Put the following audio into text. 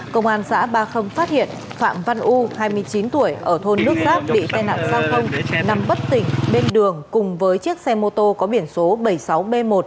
công an xã ba mươi phát hiện phạm văn u hai mươi chín tuổi ở thôn nước giáp bị tai nạn giao thông nằm bất tỉnh bên đường cùng với chiếc xe mô tô có biển số bảy mươi sáu b một trăm năm mươi bảy nghìn bảy trăm một mươi hai